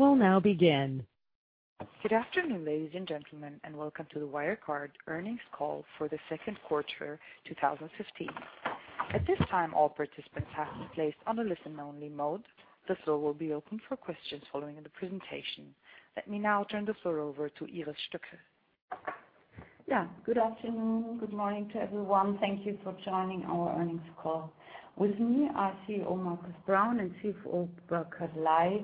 Will now begin. Good afternoon, ladies and gentlemen, and welcome to the Wirecard earnings call for the second quarter 2015. At this time, all participants have been placed on a listen-only mode. The floor will be open for questions following the presentation. Let me now turn the floor over to Iris Stöckl. Yeah. Good afternoon. Good morning to everyone. Thank you for joining our earnings call. With me are CEO, Markus Braun, and CFO, Burkhard Ley,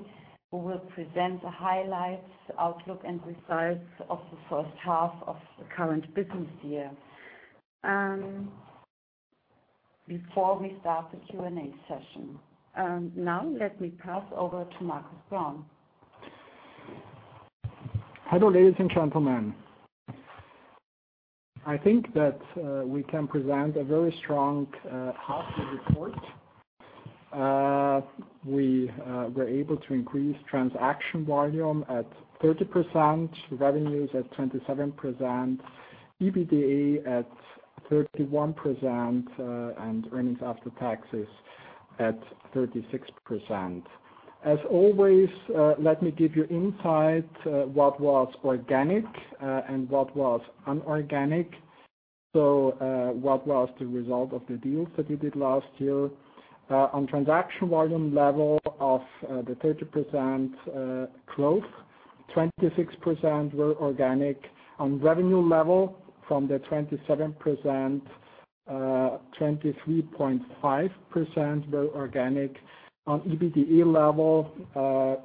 who will present the highlights, outlook, and results of the first half of the current business year, before we start the Q&A session. Now let me pass over to Markus Braun. Hello, ladies and gentlemen. I think that we can present a very strong half year report. We were able to increase transaction volume at 30%, revenues at 27%, EBITDA at 31%, and earnings after taxes at 36%. As always, let me give you insight what was organic and what was inorganic. What was the result of the deals that we did last year? On transaction volume level of the 30% growth, 26% were organic. On revenue level from the 27%, 23.5% were organic. On EBITDA level,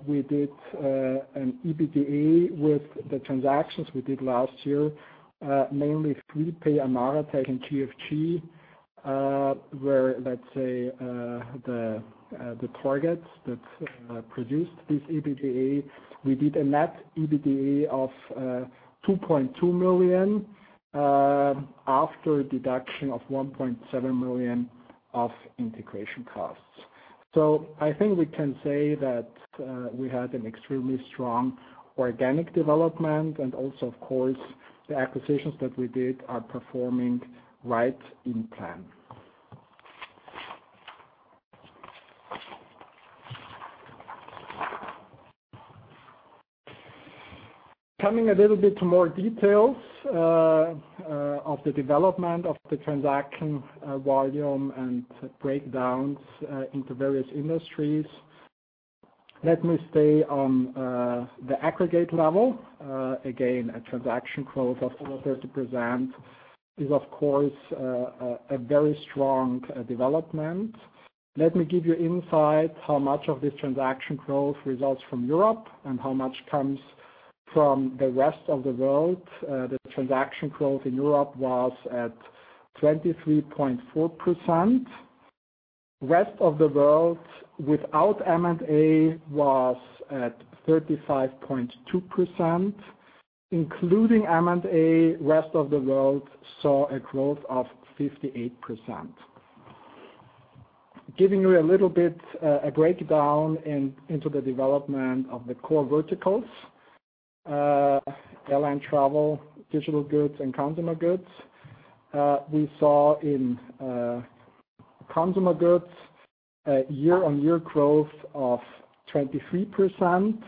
we did an EBITDA with the transactions we did last year. Mainly Freepay, AmaraTech and TFG were, let's say, the targets that produced this EBITDA. We did a net EBITDA of 2.2 million, after deduction of 1.7 million of integration costs. I think we can say that we had an extremely strong organic development and also of course, the acquisitions that we did are performing right in plan. Coming a little bit to more details of the development of the transaction volume and breakdowns into various industries. Let me stay on the aggregate level. Again, a transaction growth of over 30% is of course, a very strong development. Let me give you insight how much of this transaction growth results from Europe and how much comes from the rest of the world. The transaction growth in Europe was at 23.4%. Rest of the world without M&A was at 35.2%, including M&A, rest of the world saw a growth of 58%. Giving you a little bit, a breakdown into the development of the core verticals. Airline travel, digital goods, and consumer goods. We saw in consumer goods a year-on-year growth of 23%.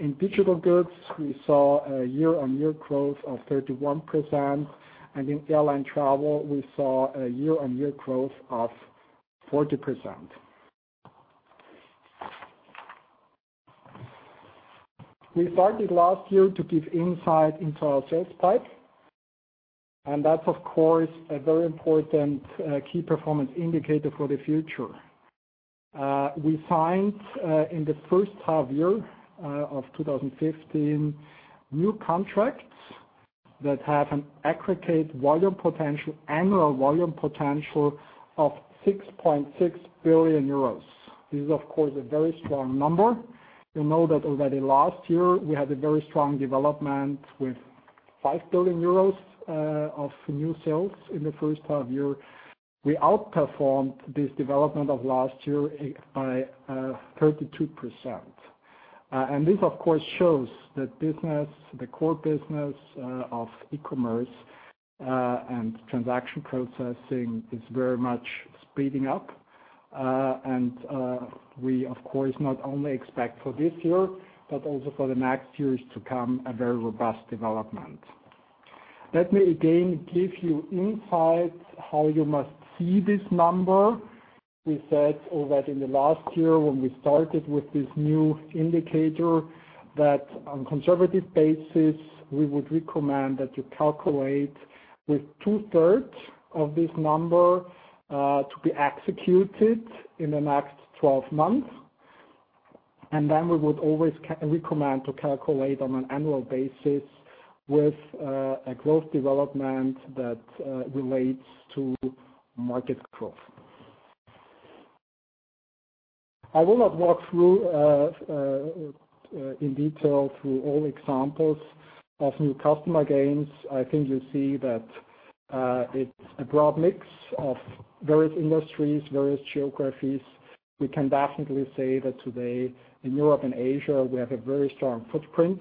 In digital goods, we saw a year-on-year growth of 31%, and in airline travel, we saw a year-on-year growth of 40%. We started last year to give insight into our sales pipe, that's of course, a very important key performance indicator for the future. We signed in the first half year of 2015, new contracts that have an aggregate volume potential, annual volume potential of 6.6 billion euros. This is of course, a very strong number. You know that already last year we had a very strong development with 5 billion euros of new sales in the first half year. We outperformed this development of last year by 32%. This of course, shows that business, the core business of e-commerce, and transaction processing is very much speeding up. We of course, not only expect for this year, but also for the next years to come, a very robust development. Let me again give you insight how you must see this number. We said already in the last year when we started with this new indicator, that on conservative basis, we would recommend that you calculate with two-thirds of this number, to be executed in the next 12 months. We would always recommend to calculate on an annual basis with a growth development that relates to market growth. I will not walk through in detail through all examples of new customer gains. I think you see that it's a broad mix of various industries, various geographies. We can definitely say that today in Europe and Asia, we have a very strong footprint.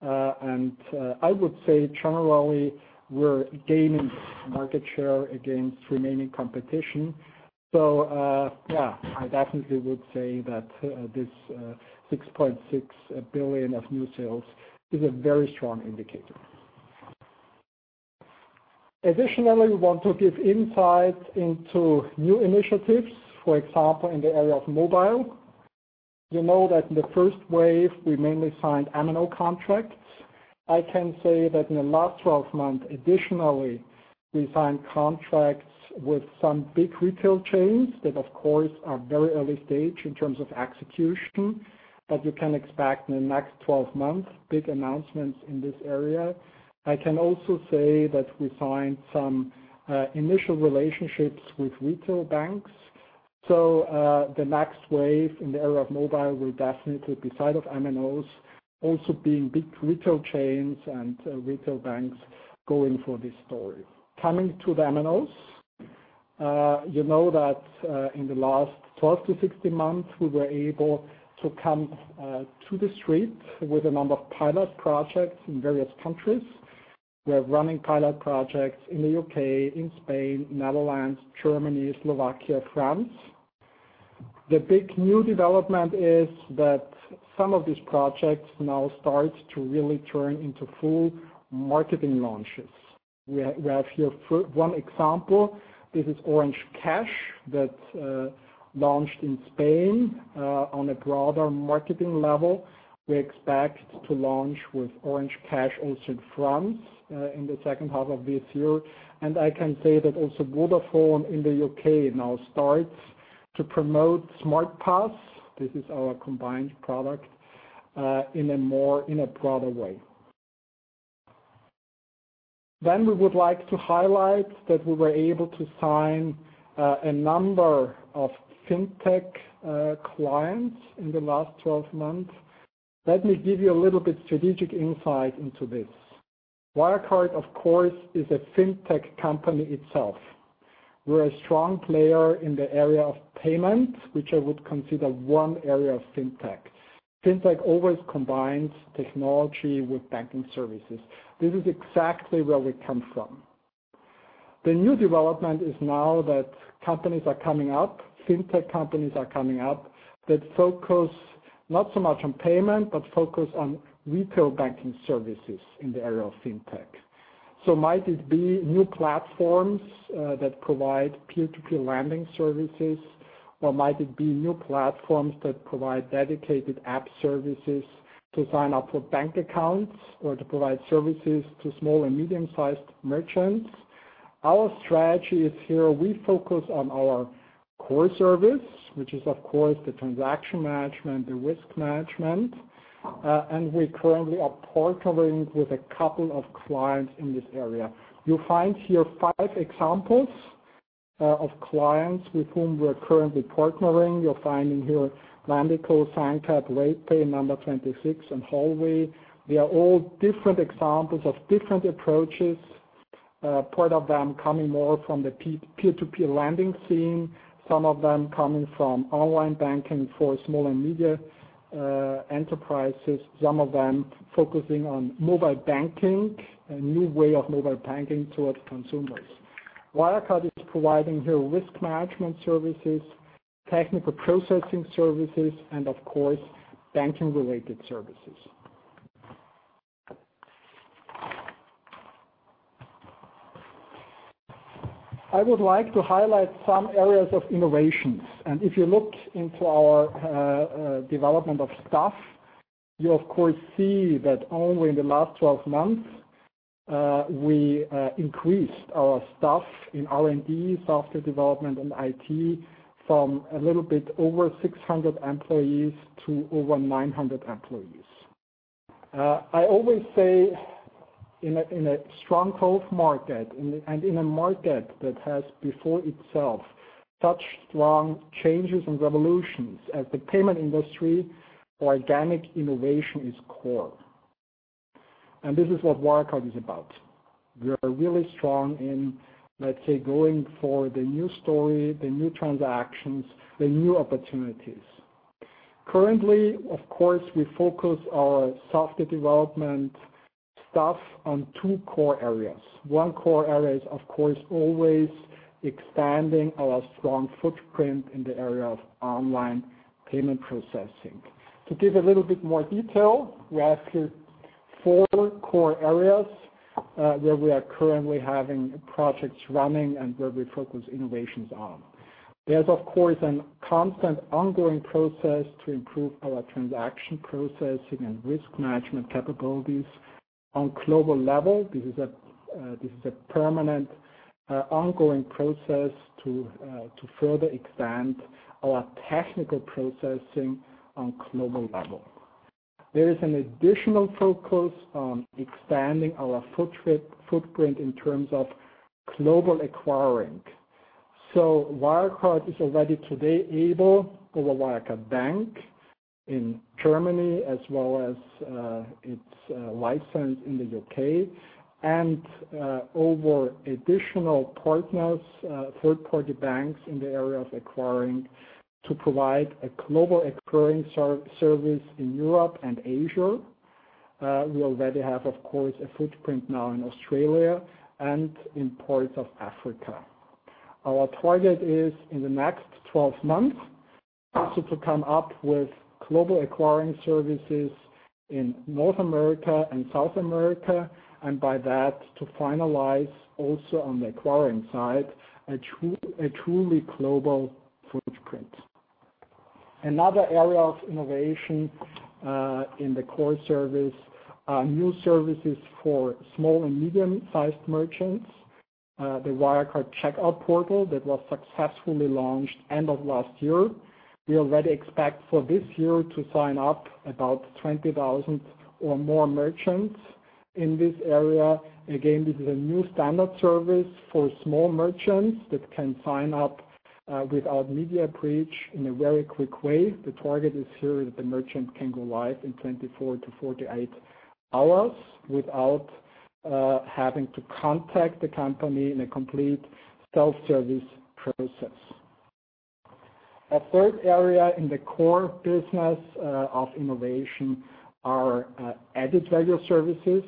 I would say generally, we're gaining market share against remaining competition. Yeah, I definitely would say that this 6.6 billion of new sales is a very strong indicator. Additionally, we want to give insight into new initiatives, for example, in the area of mobile. You know that in the first wave, we mainly signed MNO contracts. I can say that in the last 12 months, additionally, we signed contracts with some big retail chains that of course are very early stage in terms of execution. But you can expect in the next 12 months, big announcements in this area. I can also say that we signed some initial relationships with retail banks. The next wave in the area of mobile will definitely be side of MNOs, also being big retail chains and retail banks going for this story. Coming to the MNOs. You know that in the last 12 to 16 months, we were able to come to the street with a number of pilot projects in various countries. We are running pilot projects in the U.K., in Spain, Netherlands, Germany, Slovakia, France. The big new development is that some of these projects now start to really turn into full marketing launches. We have here one example. This is Orange Cash that launched in Spain, on a broader marketing level. We expect to launch with Orange Cash also in France, in the second half of this year. I can say that also Vodafone in the U.K. now starts to promote Vodafone SmartPass, this is our combined product, in a broader way. We would like to highlight that we were able to sign a number of FinTech clients in the last 12 months. Let me give you a little bit strategic insight into this. Wirecard, of course, is a FinTech company itself. We're a strong player in the area of payment, which I would consider one area of FinTech. FinTech always combines technology with banking services. This is exactly where we come from. The new development is now that companies are coming up, FinTech companies are coming up that focus not so much on payment, but focus on retail banking services in the area of FinTech. Might it be new platforms that provide peer-to-peer lending services, or might it be new platforms that provide dedicated app services to sign up for bank accounts, or to provide services to small and medium-sized merchants. Our strategy is here, we focus on our core service, which is, of course, the transaction management, the risk management. We currently are partnering with a couple of clients in this area. You'll find here five examples, of clients with whom we're currently partnering. You're finding here Lendico, Signicat, Ratepay, Number26, and Holvi. They are all different examples of different approaches, part of them coming more from the peer-to-peer lending scene, some of them coming from online banking for small and medium enterprises. Some of them focusing on mobile banking, a new way of mobile banking towards consumers. Wirecard is providing here risk management services, technical processing services, and of course, banking-related services. I would like to highlight some areas of innovations. If you look into our development of staff, you of course see that only in the last 12 months, we increased our staff in R&D, software development, and IT, from a little bit over 600 employees to over 900 employees. I always say in a strong growth market and in a market that has before itself such strong changes and revolutions as the payment industry, organic innovation is core. This is what Wirecard is about. We are really strong in, let's say, going for the new story, the new transactions, the new opportunities. Currently, of course, we focus our software development staff on two core areas. One core area is, of course, always expanding our strong footprint in the area of online payment processing. To give a little bit more detail, we have here four core areas, where we are currently having projects running and where we focus innovations on. There's, of course, a constant ongoing process to improve our transaction processing and risk management capabilities on global level. This is a permanent, ongoing process to further expand our technical processing on global level. There is an additional focus on expanding our footprint in terms of global acquiring. Wirecard is already today able, over Wirecard Bank in Germany as well as its license in the U.K., and over additional partners, third-party banks in the area of acquiring, to provide a global acquiring service in Europe and Asia. We already have, of course, a footprint now in Australia and in parts of Africa. Our target is in the next 12 months, also to come up with global acquiring services in North America and South America, and by that, to finalize also on the acquiring side, a truly global footprint. Another area of innovation in the core service are new services for small and medium-sized merchants. The Wirecard Checkout Portal that was successfully launched end of last year. We already expect for this year to sign up about 20,000 or more merchants in this area. This is a new standard service for small merchants that can sign up without media breach in a very quick way. The target is here that the merchant can go live in 24 to 48 hours without having to contact the company in a complete self-service process. A third area in the core business of innovation are added value services.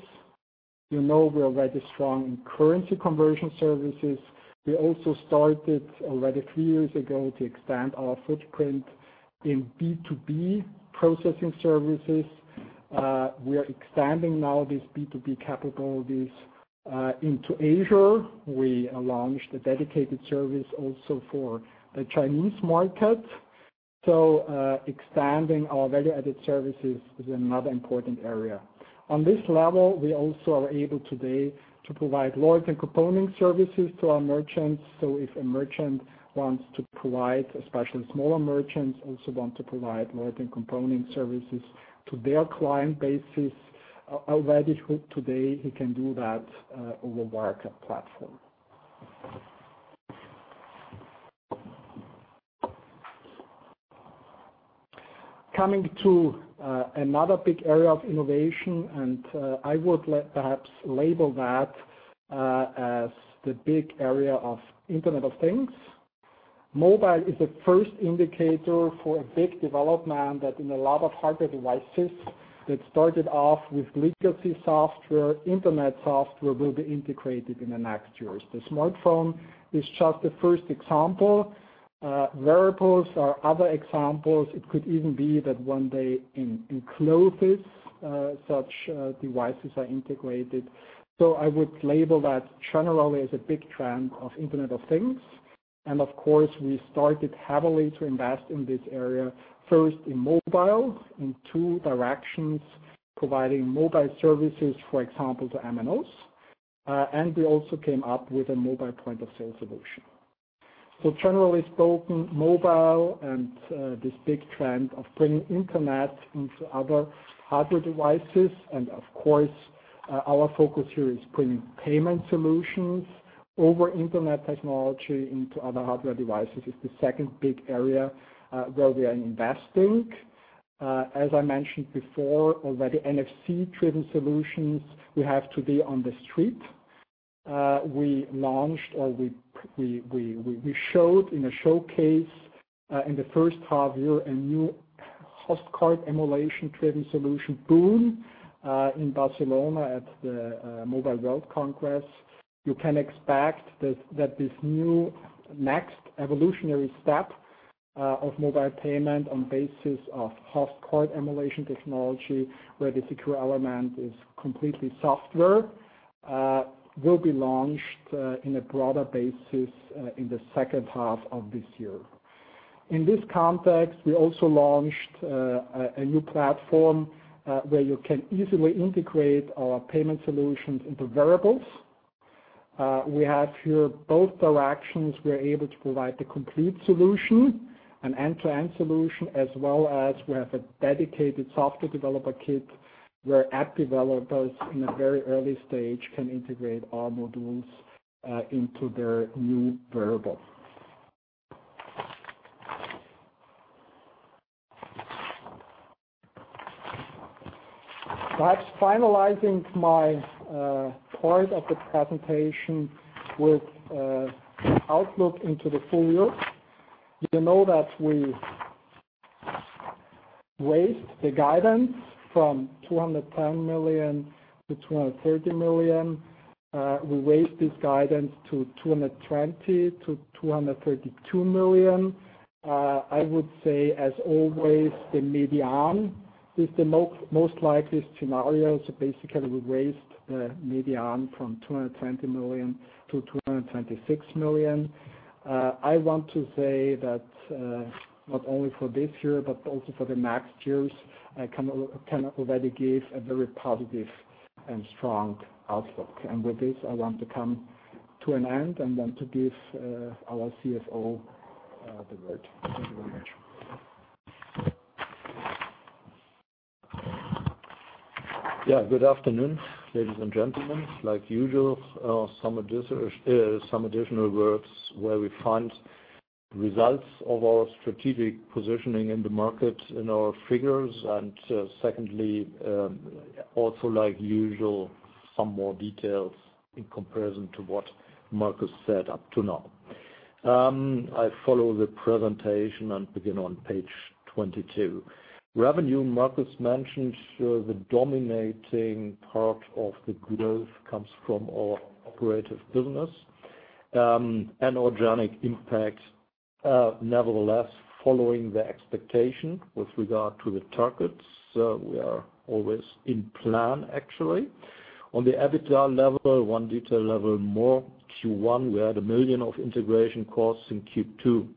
You know we are very strong in currency conversion services. We also started already three years ago to expand our footprint in B2B processing services. We are expanding now these B2B capabilities into Asia. We launched a dedicated service also for the Chinese market. Expanding our value-added services is another important area. On this level, we also are able today to provide loyalty component services to our merchants. If a merchant wants to provide, especially smaller merchants, also want to provide loyalty component services to their client bases, already today he can do that over Wirecard platform. Coming to another big area of innovation, I would perhaps label that as the big area of Internet of Things. Mobile is the first indicator for a big development that in a lot of hardware devices that started off with legacy software, internet software will be integrated in the next years. The smartphone is just the first example. Wearables are other examples. It could even be that one day in clothes such devices are integrated. I would label that generally as a big trend of Internet of Things. Of course, we started heavily to invest in this area, first in mobile, in two directions, providing mobile services, for example, to MNOs. We also came up with a mobile point-of-sale solution. Generally spoken, mobile and this big trend of bringing internet into other hardware devices, of course, our focus here is bringing payment solutions over internet technology into other hardware devices is the second big area where we are investing. As I mentioned before, already NFC trading solutions we have today on the street. We launched or we showed in a showcase in the first half year a new Host Card Emulation trading solution, boon., in Barcelona at the Mobile World Congress. You can expect that this new next evolutionary step of mobile payment on basis of Host Card Emulation technology, where the secure element is completely software, will be launched in a broader basis in the second half of this year. In this context, we also launched a new platform, where you can easily integrate our payment solutions into wearables. We have here both directions. We're able to provide the complete solution, an end-to-end solution, as well as we have a dedicated software developer kit where app developers in a very early stage can integrate our modules into their new wearable. Perhaps finalizing my part of the presentation with an outlook into the full year. You know that we raised the guidance from 210 million to 230 million. We raised this guidance to 220 million to 232 million. I would say, as always, the median is the most likely scenario. Basically, we raised the median from 220 million to 226 million. I want to say that not only for this year, but also for the next years, I can already give a very positive and strong outlook. With this, I want to come to an end and want to give our CFO the word. Thank you very much. Good afternoon, ladies and gentlemen. Like usual, some additional words where we find results of our strategic positioning in the market in our figures. Secondly, also like usual, some more details in comparison to what Markus said up to now. I follow the presentation and begin on page 22. Revenue, Markus mentioned, the dominating part of the growth comes from our operative business. Organic impact, nevertheless, following the expectation with regard to the targets, we are always in plan, actually. On the EBITDA level, one detail level more, Q1, we had 1 million of integration costs in Q2,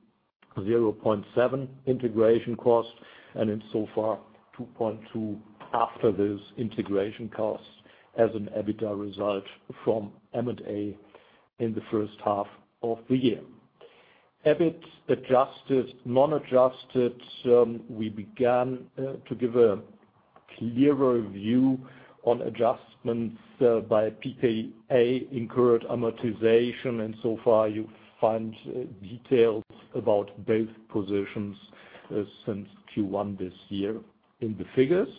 0.7 million integration cost, and in so far, 2.2 million after those integration costs as an EBITDA result from M&A in the first half of the year. EBIT adjusted, non-adjusted, we began to give a clearer view on adjustments by PPA incurred amortization, and so far, you find details about both positions since Q1 this year in the figures.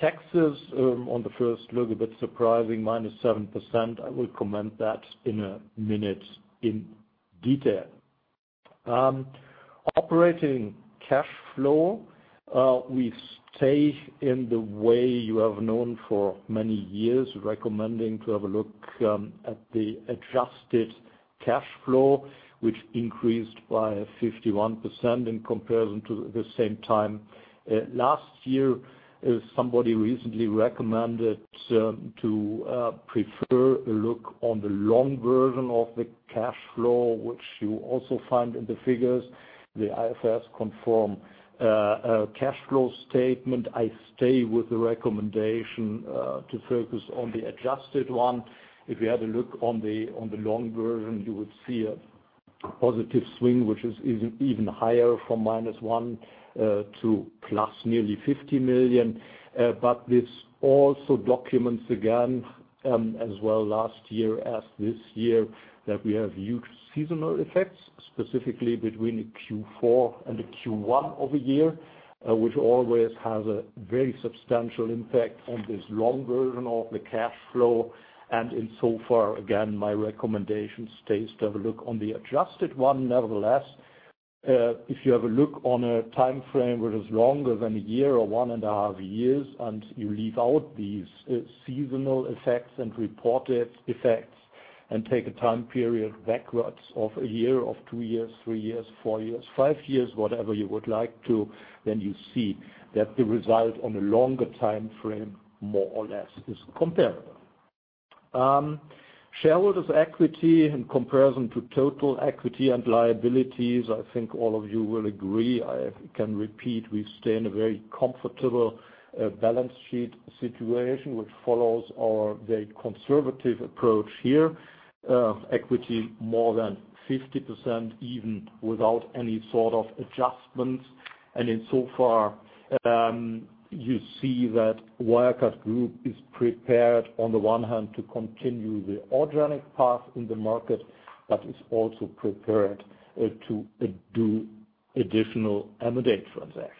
Taxes on the first look a bit surprising, -7%. I will comment that in a minute in detail. Operating cash flow. We stay in the way you have known for many years, recommending to have a look at the adjusted cash flow, which increased by 51% in comparison to the same time last year. Somebody recently recommended to prefer a look on the long version of the cash flow, which you also find in the figures, the IFRS conform cash flow statement. I stay with the recommendation to focus on the adjusted one. If you had a look on the long version, you would see a positive swing, which is even higher from -1 million to plus nearly 50 million. This also documents again, as well last year as this year, that we have huge seasonal effects, specifically between the Q4 and the Q1 of a year, which always has a very substantial impact on this long version of the cash flow. In so far, again, my recommendation stays to have a look on the adjusted one. Nevertheless, if you have a look on a time frame, which is longer than a year or one and a half years, and you leave out these seasonal effects and reported effects and take a time period backwards of a year, of two years, three years, four years, five years, whatever you would like to, then you see that the result on a longer time frame more or less is comparable. Shareholders' equity in comparison to total equity and liabilities, I think all of you will agree, I can repeat, we stay in a very comfortable balance sheet situation, which follows our very conservative approach here. Equity more than 50%, even without any sort of adjustments. In so far, you see that Wirecard Group is prepared on the one hand to continue the organic path in the market, but is also prepared to do additional M&A transactions.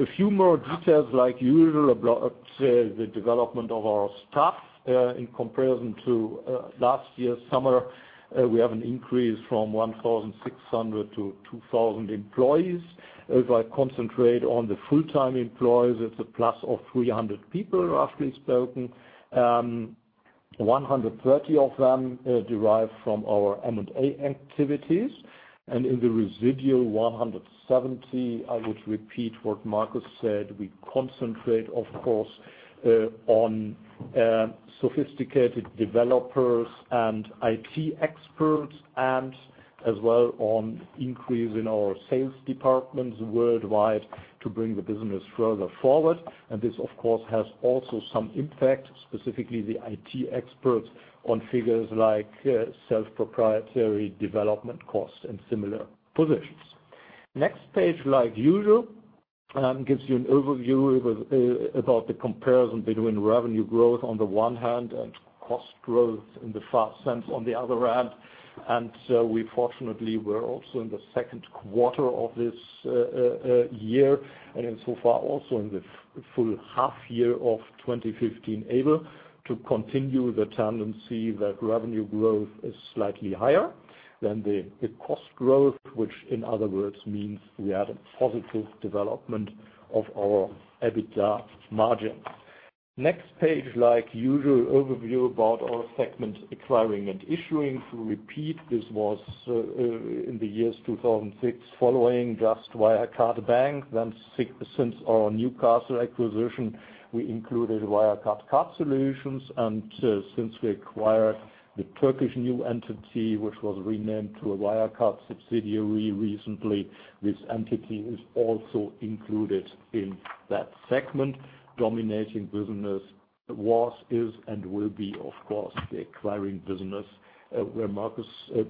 A few more details like usual, the development of our staff in comparison to last year's summer, we have an increase from 1,600 to 2,000 employees. If I concentrate on the full-time employees, it's a plus of 300 people roughly spoken. 130 of them derive from our M&A activities. In the residual 170, I would repeat what Markus said, we concentrate, of course, on sophisticated developers and IT experts and as well on increase in our sales departments worldwide to bring the business further forward. This, of course, has also some impact, specifically the IT experts on figures like self-proprietary development costs and similar positions. Next page, like usual, gives you an overview about the comparison between revenue growth on the one hand and cost growth in the far sense on the other hand. We fortunately were also in the second quarter of this year, in so far also in the full half year of 2015, able to continue the tendency that revenue growth is slightly higher than the cost growth, which in other words means we had a positive development of our EBITDA margins. Next page, like usual, overview about our segment acquiring and issuing. To repeat, this was in the years 2006 following just Wirecard Bank, then since our Newcastle acquisition, we included Wirecard Card Solutions, since we acquired the Turkish new entity, which was renamed to a Wirecard subsidiary recently, this entity is also included in that segment. Dominating business was, is, and will be, of course, the acquiring business where Markus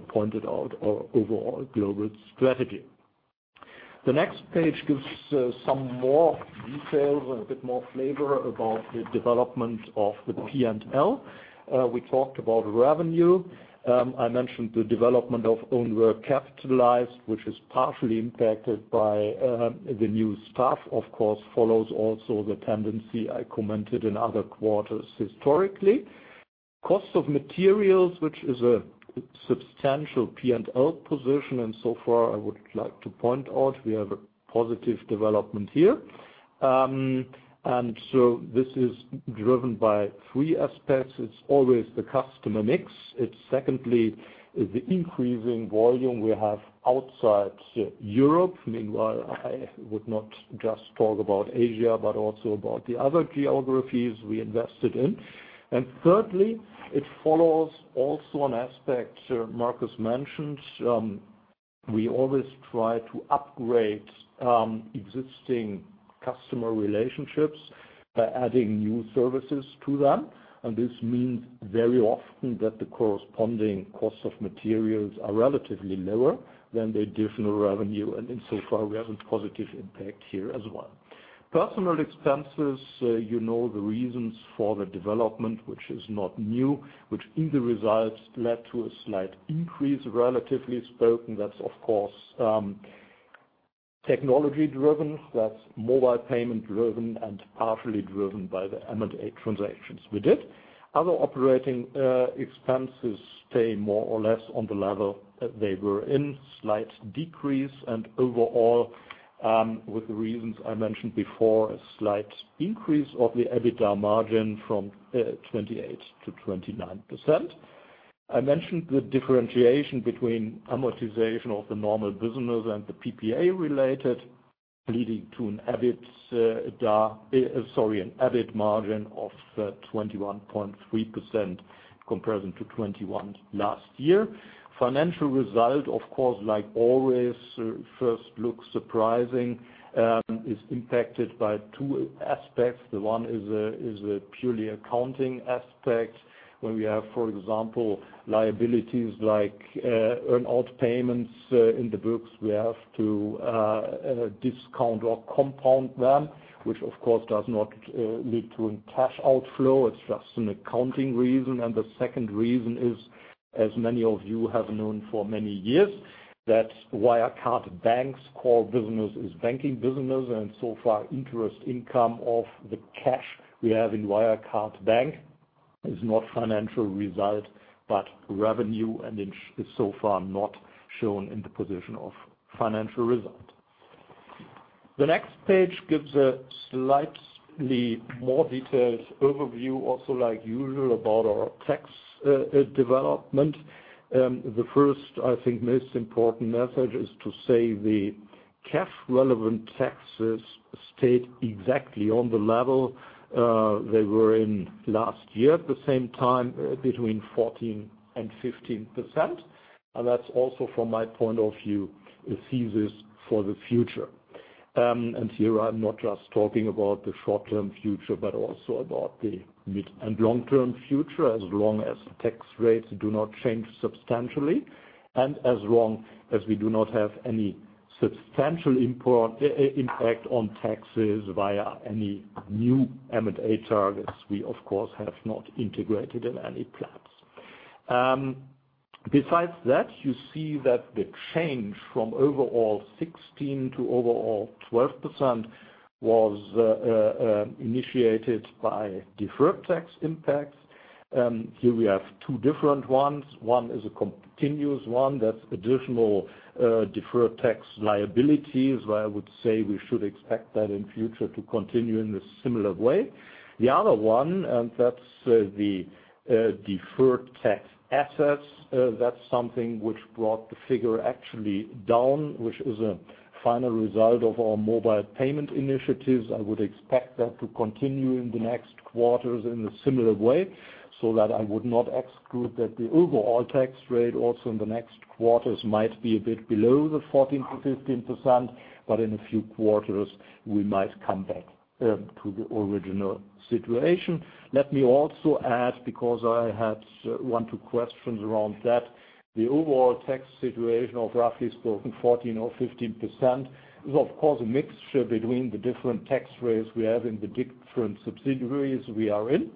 pointed out our overall global strategy. The next page gives some more details and a bit more flavor about the development of the P&L. We talked about revenue. I mentioned the development of own work capitalized, which is partially impacted by the new staff, of course, follows also the tendency I commented in other quarters historically. Cost of materials, which is a substantial P&L position. So far, I would like to point out we have a positive development here. So this is driven by three aspects. It's always the customer mix. It's secondly, the increasing volume we have outside Europe. Meanwhile, I would not just talk about Asia, but also about the other geographies we invested in. Thirdly, it follows also an aspect Markus mentioned. We always try to upgrade existing customer relationships by adding new services to them, and this means very often that the corresponding costs of materials are relatively lower than the additional revenue, and in so far, we have a positive impact here as well. Personnel expenses, you know the reasons for the development, which is not new, which in the results led to a slight increase, relatively spoken. That's, of course, technology-driven, that's mobile payment-driven, and partially driven by the M&A transactions we did. Other operating expenses stay more or less on the level that they were in, slight decrease. Overall, with the reasons I mentioned before, a slight increase of the EBITDA margin from 28%-29%. I mentioned the differentiation between amortization of the normal business and the PPA related, leading to an EBIT margin of 21.3% in comparison to 21% last year. Financial result, of course, like always, first looks surprising, is impacted by two aspects. The one is a purely accounting aspect, where we have, for example, liabilities like earn-out payments in the books. We have to discount or compound them, which, of course, does not lead to a cash outflow. It's just an accounting reason. The second reason is, as many of you have known for many years, that Wirecard Bank's core business is banking business, and so far, interest income of the cash we have in Wirecard Bank is not financial result, but revenue, and is so far not shown in the position of financial result. The next page gives a slightly more detailed overview, also like usual, about our tax development. The first, I think, most important message is to say the cash-relevant taxes stayed exactly on the level they were in last year at the same time, between 14% and 15%. That's also from my point of view, a thesis for the future. Here I'm not just talking about the short-term future, but also about the mid and long-term future, as long as tax rates do not change substantially, and as long as we do not have any substantial impact on taxes via any new M&A targets we, of course, have not integrated in any plans. Besides that, you see that the change from overall 16% to overall 12% was initiated by deferred tax impacts. Here we have two different ones. One is a continuous one that's additional deferred tax liabilities, where I would say we should expect that in future to continue in a similar way. The other one, that's the deferred tax assets. That's something which brought the figure actually down, which is a final result of our mobile payment initiatives. I would expect that to continue in the next quarters in a similar way, so that I would not exclude that the overall tax rate also in the next quarters might be a bit below the 14%-15%, but in a few quarters, we might come back to the original situation. Let me also add, because I had one, two questions around that. The overall tax situation of roughly spoken 14% or 15% is, of course, a mixture between the different tax rates we have in the different subsidiaries we are in.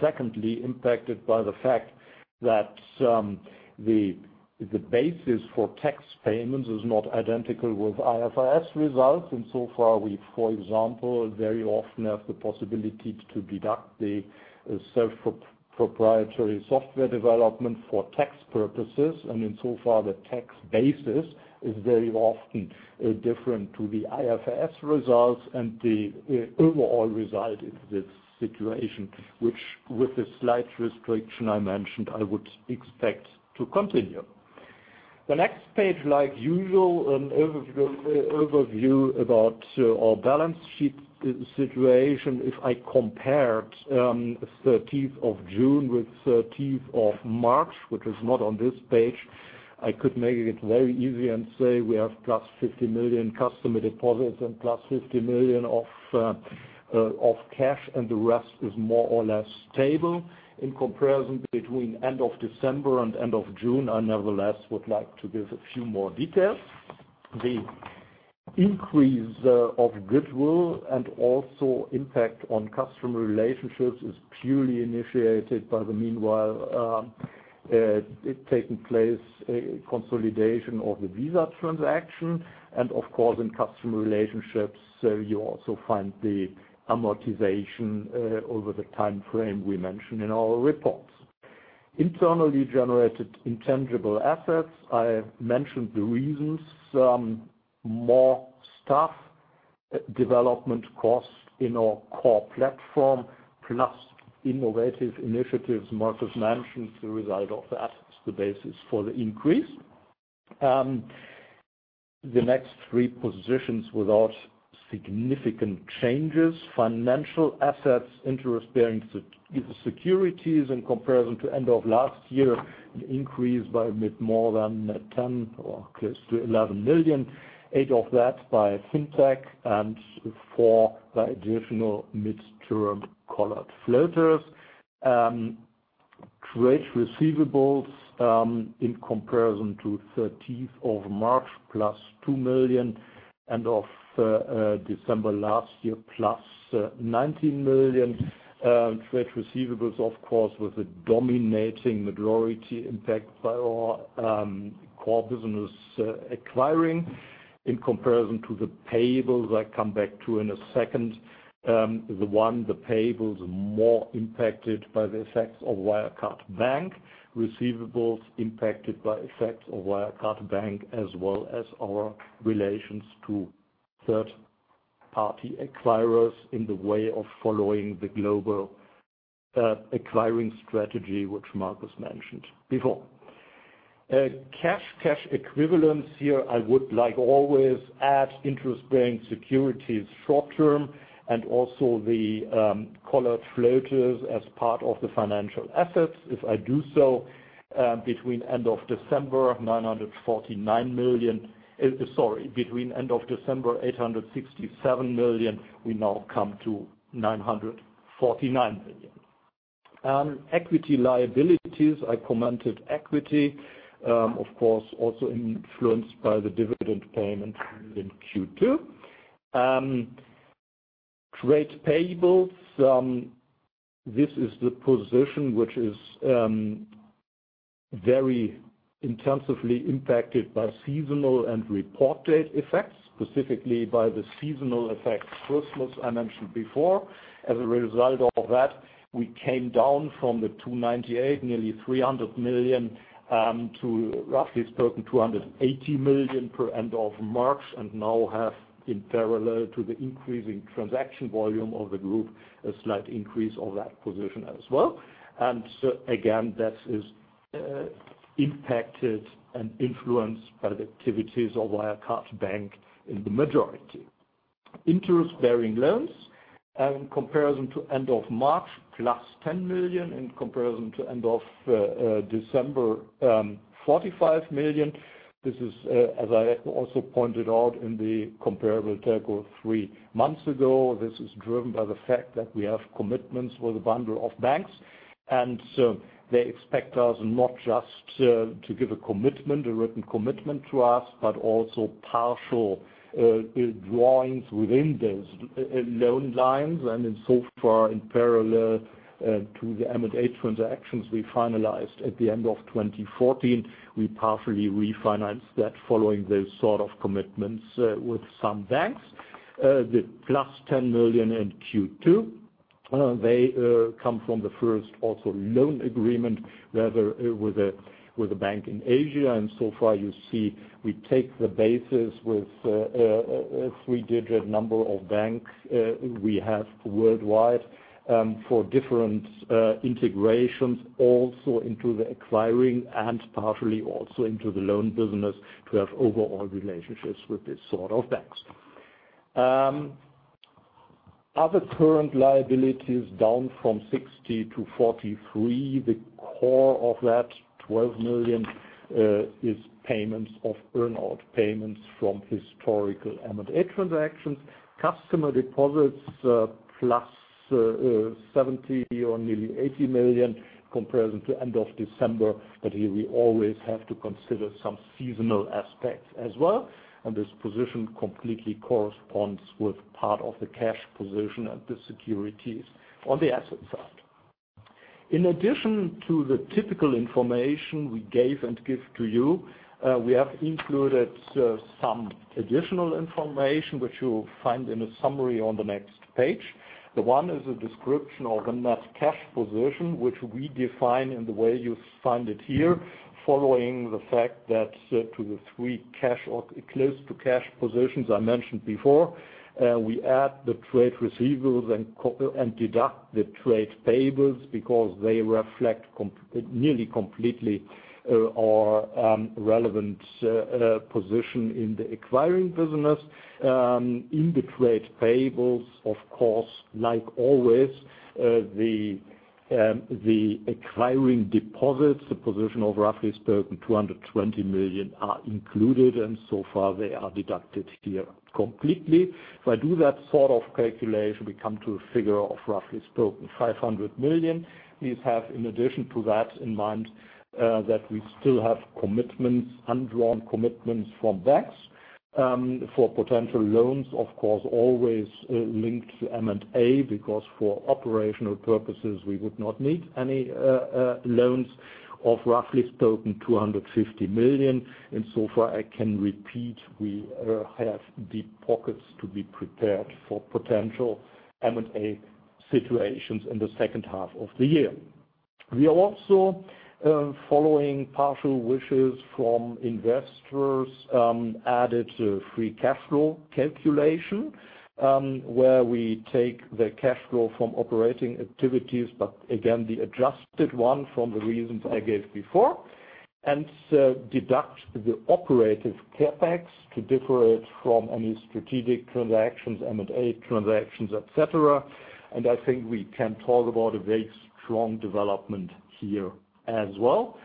Secondly, impacted by the fact that the basis for tax payments is not identical with IFRS results. So far, we, for example, very often have the possibility to deduct the self-proprietary software development for tax purposes. In so far, the tax basis is very often different to the IFRS results and the overall result in this situation, which with a slight restriction I mentioned, I would expect to continue. The next page, like usual, an overview about our balance sheet situation. If I compared 30th of June with 30th of March, which is not on this page, I could make it very easy and say we have plus 50 million customer deposits and plus 50 million of cash, and the rest is more or less stable. In comparison between end of December and end of June, I nevertheless would like to give a few more details. The increase of goodwill and also impact on customer relationships is purely initiated by the meanwhile It's taking place a consolidation of the Visa transaction and, of course, in customer relationships, so you also find the amortization over the time frame we mentioned in our reports. Internally generated intangible assets, I have mentioned the reasons. Some more staff development costs in our core platform, plus innovative initiatives Markus mentioned the result of that is the basis for the increase. The next three positions without significant changes. Financial assets, interest-bearing securities in comparison to end of last year, an increase by a bit more than 10 million or close to 11 million, eight of that by FinTech and four by additional mid-term collared floaters. Trade receivables in comparison to 30th of March plus 2 million, end of December last year plus 19 million. Trade receivables, of course, with the dominating majority impact by our core business acquiring in comparison to the payables I come back to in a second. The one, the payables more impacted by the effects of Wirecard Bank. Receivables impacted by effects of Wirecard Bank as well as our relations to third-party acquirers in the way of following the global acquiring strategy which Markus mentioned before. Cash, cash equivalents here I would like always add interest-bearing securities short-term and also the collared floaters as part of the financial assets. If I do so, between end of December 867 million, we now come to 949 million. Equity liabilities, I commented equity, of course, also influenced by the dividend payment in Q2. Trade payables. This is the position which is very intensively impacted by seasonal and report date effects, specifically by the seasonal effects Christmas I mentioned before. As a result of that, we came down from the 298 million, nearly 300 million, to roughly spoken 280 million per end of March, and now have in parallel to the increasing transaction volume of the group, a slight increase of that position as well. And again, that is impacted and influenced by the activities of Wirecard Bank in the majority. Interest-bearing loans in comparison to end of March plus 10 million, in comparison to end of December, 45 million. This is as I also pointed out in the comparable telco three months ago. This is driven by the fact that we have commitments with a bundle of banks, and so they expect us not just to give a commitment, a written commitment to us, but also partial drawings within those loan lines. So far in parallel to the M&A transactions we finalized at the end of 2014, we partially refinanced that following those sort of commitments with some banks. The +10 million in Q2, they come from the first also loan agreement with a bank in Asia. So far you see we take the basis with a three-digit number of banks we have worldwide for different integrations also into the acquiring and partially also into the loan business to have overall relationships with these sort of banks. Other current liabilities down from 60 million to 43 million. The core of that 12 million is payments of earn-out payments from historical M&A transactions. Customer deposits +70 million or nearly 80 million comparison to end of December. Here we always have to consider some seasonal aspects as well, and this position completely corresponds with part of the cash position and the securities on the asset side. In addition to the typical information we gave and give to you, we have included some additional information which you will find in a summary on the next page. The one is a description of the net cash position which we define in the way you find it here. Following the fact that to the three cash or close to cash positions I mentioned before, we add the trade receivables and deduct the trade payables because they reflect nearly completely our relevant position in the acquiring business. In the trade payables, of course, like always the acquiring deposits, the position of roughly spoken 220 million are included and so far they are deducted here completely. If I do that sort of calculation, we come to a figure of roughly spoken 500 million. Please have in addition to that in mind that we still have commitments, undrawn commitments from banks. For potential loans, of course, always linked to M&A, because for operational purposes, we would not need any loans of roughly spoken 250 million. So far, I can repeat, we have deep pockets to be prepared for potential M&A situations in the second half of the year. We are also following partial wishes from investors, added to free cash flow calculation, where we take the cash flow from operating activities, but again, the adjusted one from the reasons I gave before. Deduct the operative CapEx to differ it from any strategic transactions, M&A transactions, et cetera. I think we can talk about a very strong development here as well.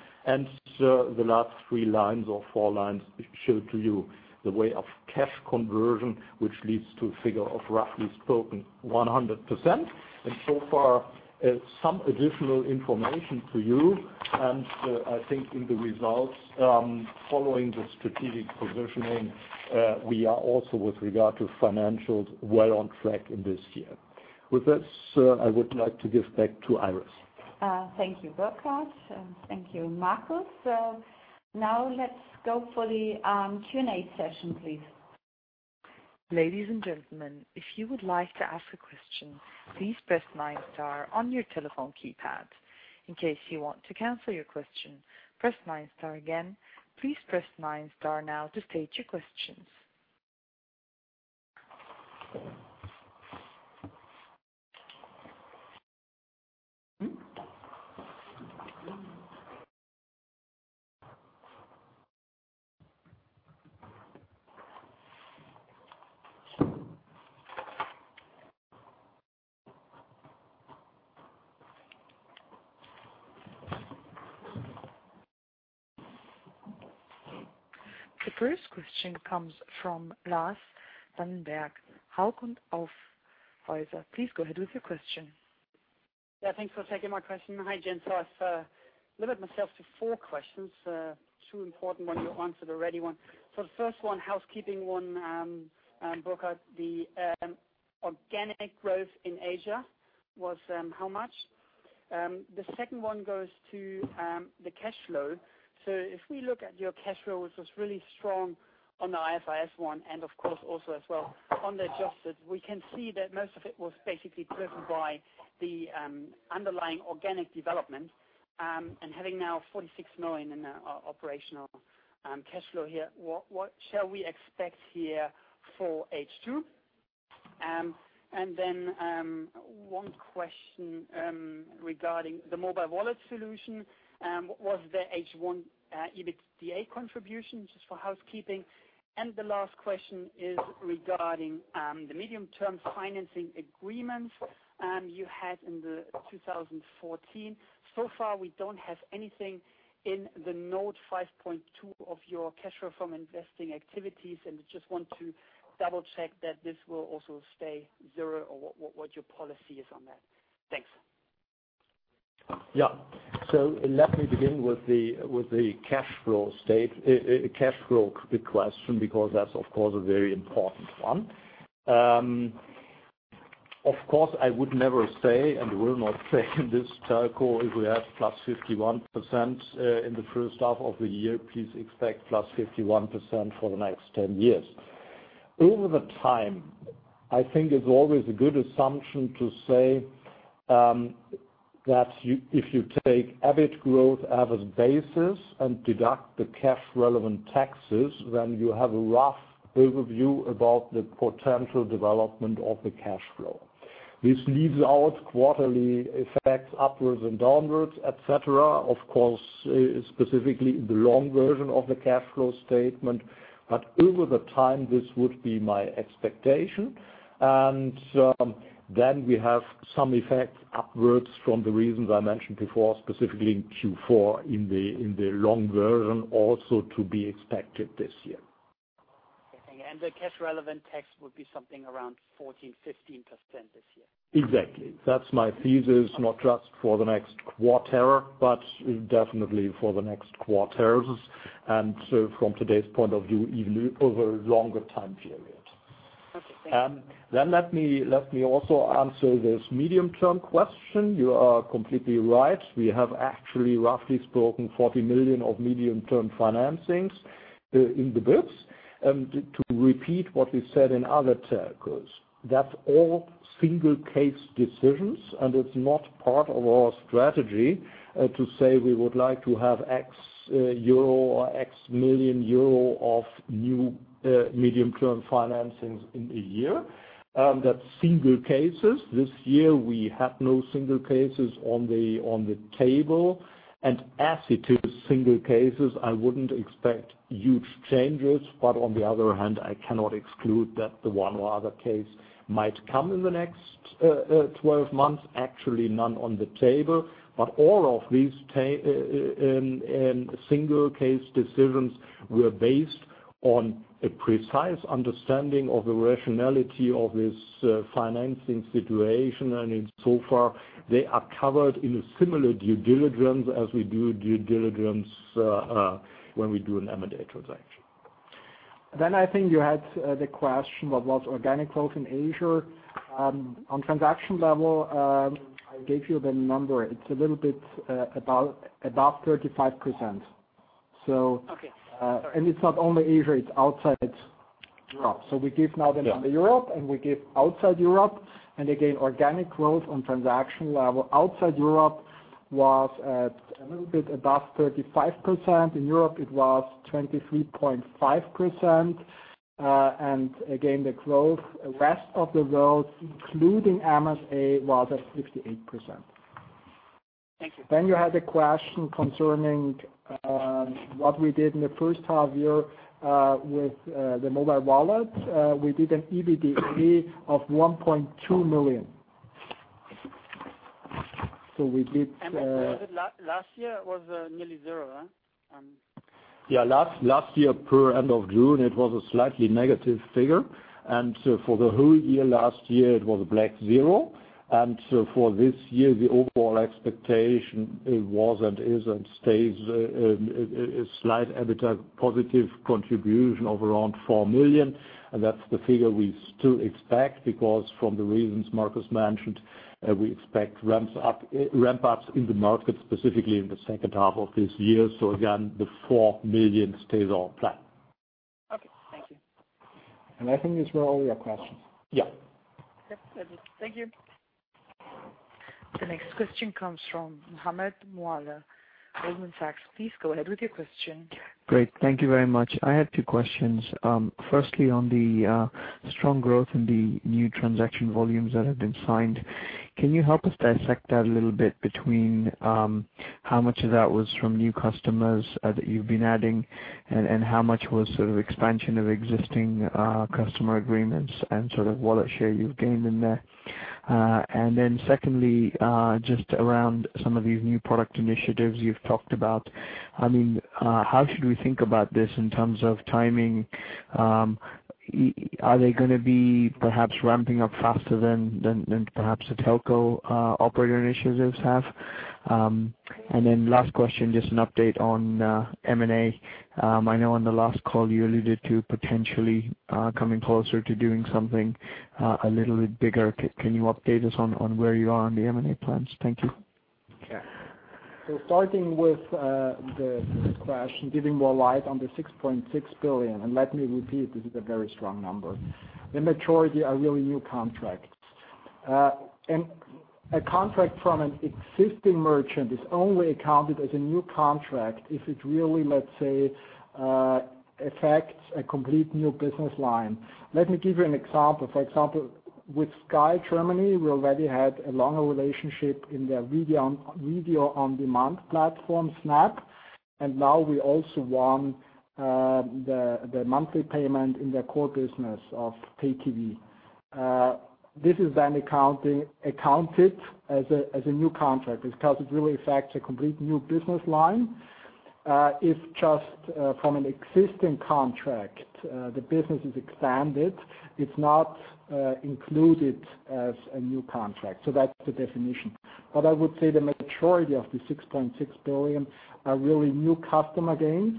The last three lines or four lines show to you the way of cash conversion, which leads to a figure of roughly spoken 100%. So far, some additional information to you. I think in the results, following the strategic positioning, we are also with regard to financials, well on track in this year. With this, I would like to give back to Iris. Thank you, Burkhard. Thank you, Markus. Now let's go for the Q&A session, please. Ladies and gentlemen, if you would like to ask a question, please press star on your telephone keypad. In case you want to cancel your question, press star again. Please press star now to state your questions. The first question comes from Lars Dannenberg, Hauck & Aufhäuser. Please go ahead with your question. Thanks for taking my question. Hi, gents. I've limited myself to four questions. Two important ones, you answered already one. The first one, housekeeping one, Burkhard. The organic growth in Asia was how much? The second one goes to the cash flow. If we look at your cash flow, which was really strong on the IFRS one, and of course also as well on the adjusted, we can see that most of it was basically driven by the underlying organic development. Having now 46 million in operational cash flow here, what shall we expect here for H2? One question regarding the mobile wallet solution. What was the H1 EBITDA contribution, just for housekeeping. The last question is regarding the medium-term financing agreements you had in 2014. So far, we don't have anything in the Note 5.2 of your cash flow from investing activities, and just want to double check that this will also stay zero, or what your policy is on that. Thanks. Yeah. Let me begin with the cash flow question because that's of course a very important one. Of course, I would never say, and will not say in this telco, if we have plus 51% in the first half of the year, please expect plus 51% for the next 10 years. Over the time, I think it's always a good assumption to say that if you take EBIT growth as a basis and deduct the cash relevant taxes, then you have a rough overview about the potential development of the cash flow. This leaves out quarterly effects upwards and downwards, et cetera, of course, specifically the long version of the cash flow statement. Over the time, this would be my expectation. Then we have some effects upwards from the reasons I mentioned before, specifically in Q4 in the long version, also to be expected this year. Okay. The cash relevant tax would be something around 14%, 15% this year. Exactly. That's my thesis, not just for the next quarter, but definitely for the next quarters. From today's point of view, even over a longer time period. Okay. Thank you. Let me also answer this medium term question. You are completely right. We have actually, roughly spoken, 40 million of medium-term financings in the books. To repeat what we said in other telcos, that's all single case decisions, and it's not part of our strategy to say we would like to have X EUR or X million EUR of new medium term financings in a year. That's single cases. This year, we have no single cases on the table. As it is single cases, I wouldn't expect huge changes. On the other hand, I cannot exclude that the one or other case might come in the next 12 months. Actually, none on the table. All of these single case decisions were based on a precise understanding of the rationality of this financing situation. In so far, they are covered in a similar due diligence as we do due diligence when we do an M&A transaction. I think you had the question: what was organic growth in Asia? On transaction level, I gave you the number. It's a little bit about 35%. Okay. Sorry. It's not only Asia, it's outside Europe. We give now the number Europe, and we give outside Europe, and again, organic growth on transaction level outside Europe was at a little bit above 35%. In Europe, it was 23.5%. Again, the growth rest of the world, including M&A, was at 58%. Thank you. You had a question concerning what we did in the first half year with the mobile wallet. We did an EBITDA of 1.2 million. We did- Last year was nearly zero, right? Yeah. Last year, per end of June, it was a slightly negative figure. For the whole year, last year, it was a black zero. For this year, the overall expectation was, and is, and stays a slight EBITDA positive contribution of around 4 million. That's the figure we still expect, because from the reasons Markus mentioned, we expect ramp-ups in the market, specifically in the second half of this year. Again, the 4 million stays on plan. Okay. Thank you. I think these were all your questions. Yeah. Yep. That's it. Thank you. The next question comes from Mohammed Moawalla, Goldman Sachs. Please go ahead with your question. Great. Thank you very much. I had two questions. Firstly, on the strong growth in the new transaction volumes that have been signed. Can you help us dissect that a little bit between how much of that was from new customers that you've been adding, and how much was sort of expansion of existing customer agreements and sort of wallet share you've gained in there? Secondly, just around some of these new product initiatives you've talked about. How should we think about this in terms of timing? Are they going to be perhaps ramping up faster than perhaps the telco operator initiatives have? Last question, just an update on M&A. I know on the last call you alluded to potentially coming closer to doing something a little bit bigger. Can you update us on where you are on the M&A plans? Thank you. Starting with the first question, giving more light on the 6.6 billion, let me repeat, this is a very strong number. The majority are really new contracts. A contract from an existing merchant is only accounted as a new contract if it really, let's say, affects a complete new business line. Let me give you an example. For example, with Sky Deutschland, we already had a longer relationship in their video-on-demand platform, Snap. Now we also won the monthly payment in their core business of pay TV. This is then accounted as a new contract because it really affects a complete new business line. If just from an existing contract, the business is expanded, it's not included as a new contract. That's the definition. I would say the majority of the 6.6 billion are really new customer gains.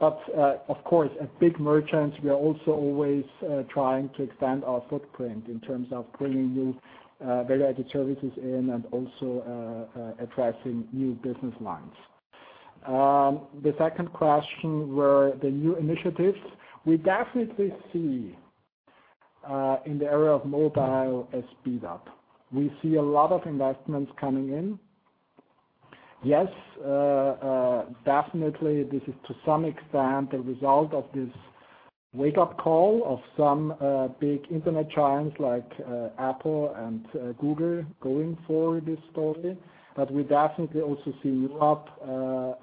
Of course, at big merchants, we are also always trying to expand our footprint in terms of bringing new value-added services in and also attracting new business lines. The second question were the new initiatives. We definitely see in the area of mobile, a speed up. We see a lot of investments coming in. Yes, definitely this is to some extent the result of this wake-up call of some big internet giants like Apple and Google going for this story. We definitely also see Europe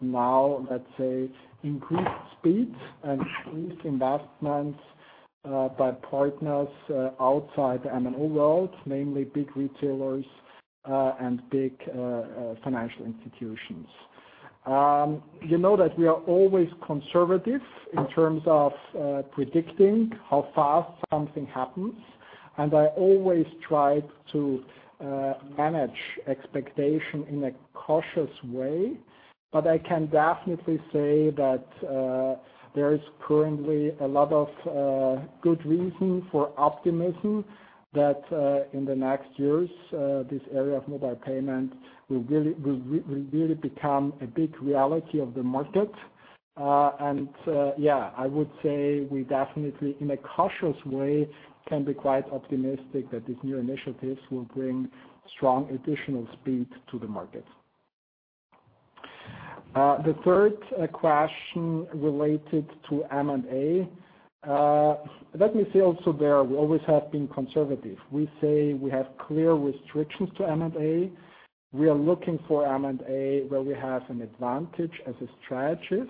now, let's say, increased speed and increased investments by partners outside the MNO world, namely big retailers and big financial institutions. You know that we are always conservative in terms of predicting how fast something happens. I always try to manage expectation in a cautious way. I can definitely say that there is currently a lot of good reason for optimism that in the next years, this area of mobile payment will really become a big reality of the market. Yeah, I would say we definitely, in a cautious way, can be quite optimistic that these new initiatives will bring strong additional speed to the market. The third question related to M&A. Let me say also there, we always have been conservative. We say we have clear restrictions to M&A. We are looking for M&A where we have an advantage as a strategist,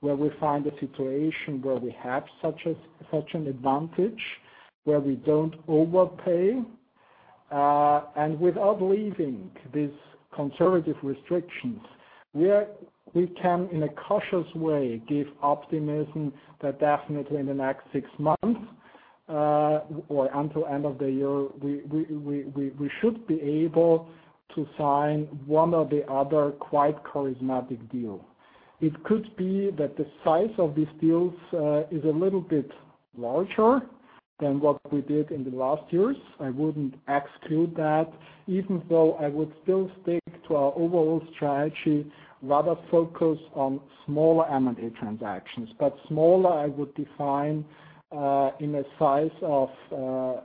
where we find a situation where we have such an advantage, where we don't overpay. Without leaving these conservative restrictions, we can, in a cautious way, give optimism that definitely in the next six months or until end of the year, we should be able to sign one or the other quite charismatic deal. It could be that the size of these deals is a little bit larger than what we did in the last years. I wouldn't exclude that, even though I would still stick to our overall strategy, rather focus on smaller M&A transactions. Smaller, I would define in a size of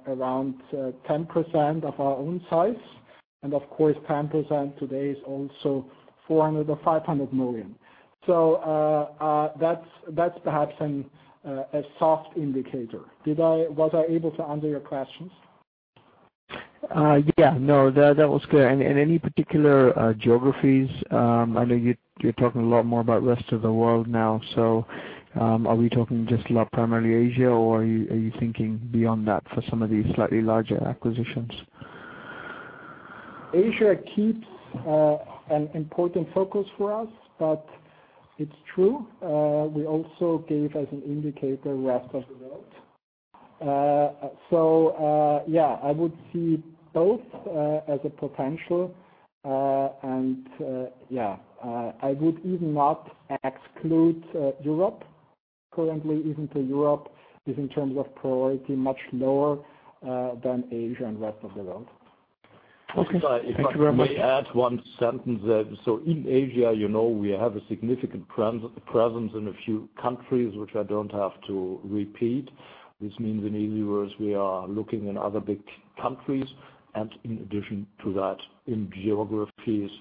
around 10% of our own size. Of course, 10% today is also 400 million or 500 million. That's perhaps a soft indicator. Was I able to answer your questions? Yeah. No, that was clear. Any particular geographies? I know you're talking a lot more about rest of the world now. Are we talking just primarily Asia, or are you thinking beyond that for some of these slightly larger acquisitions? Asia keeps an important focus for us, it's true. We also gave as an indicator rest of the world. Yeah, I would see both as a potential. Yeah, I would even not exclude Europe currently, even though Europe is in terms of priority, much lower than Asia and rest of the world. Okay. Thank you very much. If I may add one sentence. In Asia, we have a significant presence in a few countries, which I don't have to repeat. This means in easy words, we are looking in other big countries and in addition to that, in geographies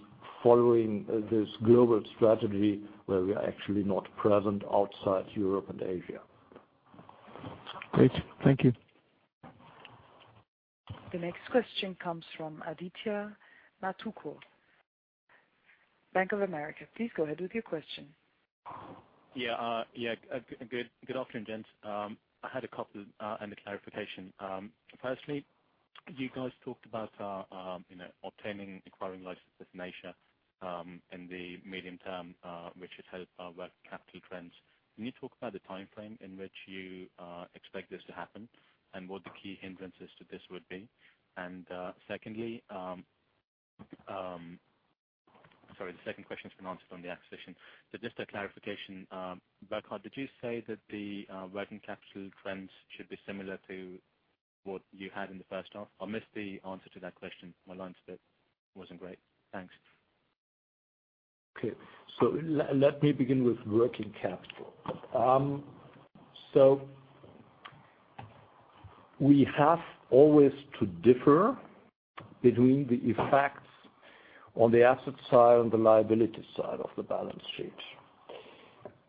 following this global strategy where we are actually not present outside Europe and Asia. Great. Thank you. The next question comes from Adithya Metuku, Bank of America. Please go ahead with your question. Good afternoon, gents. I had a couple and a clarification. Firstly, you guys talked about obtaining acquiring licenses with Asia in the medium term, which has helped our working capital trends. Can you talk about the timeframe in which you expect this to happen, and what the key hindrances to this would be? The second question's been answered on the acquisition. Just a clarification, Burkhard, did you say that the working capital trends should be similar to what you had in the first half? I missed the answer to that question. My line still wasn't great. Thanks. Let me begin with working capital. We have always to differ between the effects on the asset side and the liability side of the balance sheet.